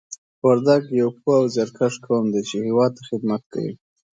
وردګ یو پوه او زیارکښ قوم دی چې هېواد ته خدمت کوي